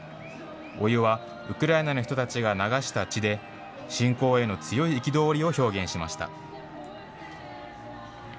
お湯は、ウクライナの人たちが流した血で、侵攻への強い憤りを表現しました。